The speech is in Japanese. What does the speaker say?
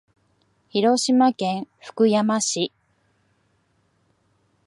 広島県福山市